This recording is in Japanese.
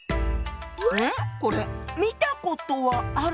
これ見たことはある！